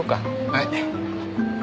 はい。